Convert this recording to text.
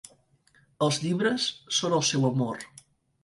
Els llibres són el seu amor.